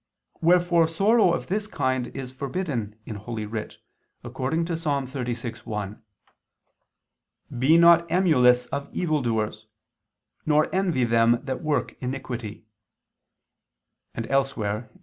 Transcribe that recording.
Wherefore sorrow of this kind is forbidden in Holy Writ, according to Ps. 36:1: "Be not emulous of evil doers, nor envy them that work iniquity," and elsewhere (Ps.